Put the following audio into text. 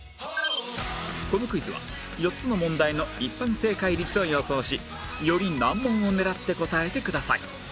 このクイズは４つの問題の一般正解率を予想しより難問を狙って答えてください